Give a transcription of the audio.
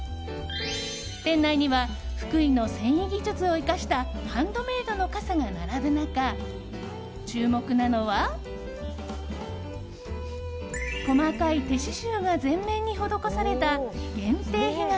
店内には福井の繊維技術を生かしたハンドメイドの傘が並ぶ中注目なのは細かい手刺しゅうが全面に施された限定日傘